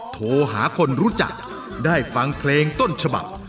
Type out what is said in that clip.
โทรหาคนรู้จักได้ฟังเพลงต้นฉบับ